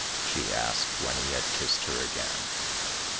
" she asked when he had kissed her again.